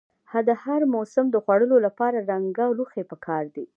د هر موسم د خوړو لپاره رنګه لوښي پکار دي.